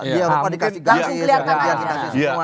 di eropa dikasih semua